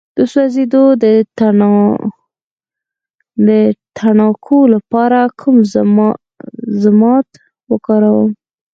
د سوځیدو د تڼاکو لپاره کوم ضماد وکاروم؟